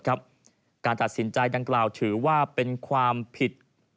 การตัดสินใจดังกล่าวถือว่าเป็นความผิด